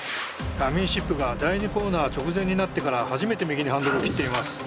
ダミーシップが第２コーナー直前になってから初めて右にハンドルを切っています。